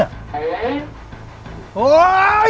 อะไรไง